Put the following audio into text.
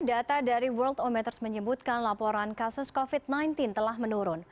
data dari world ometers menyebutkan laporan kasus covid sembilan belas telah menurun